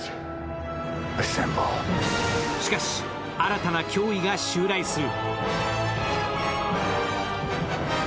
しかし、新たな脅威が襲来する。